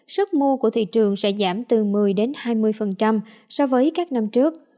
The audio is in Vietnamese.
sức mua của thị trường sẽ giảm từ một mươi hai mươi so với các năm trước